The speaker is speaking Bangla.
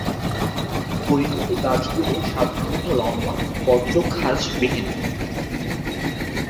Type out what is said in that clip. পরিণত গাছগুলো সাধারণত লম্বা, পত্রখাঁজবিহীন।